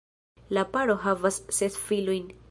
La paro havas ses filojn.